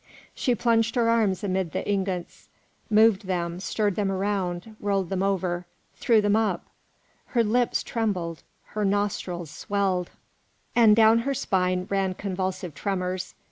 She plunged her arms amid the ingots, moved them, stirred them round, rolled them over, threw them up; her lips trembled, her nostrils swelled, and down her spine ran convulsive tremors.